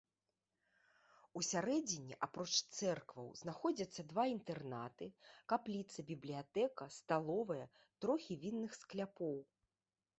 Усярэдзіне апроч цэркваў знаходзяцца два інтэрнаты, капліца, бібліятэка, сталовая, трохі вінных скляпоў.